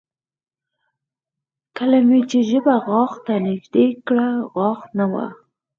کله مې چې ژبه غاښ ته نږدې کړه غاښ نه و